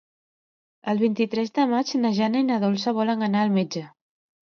El vint-i-tres de maig na Jana i na Dolça volen anar al metge.